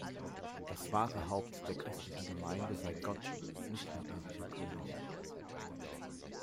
Das wahre Haupt der christlichen Gemeinde sei Gott und nicht ein irdischer König.